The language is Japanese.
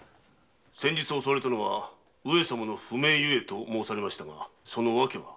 襲われたのは「上様の不明ゆえ」と申されましたがその訳は？